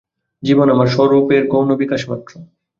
জীবন আমার স্বরূপের গৌণ বিকাশমাত্র।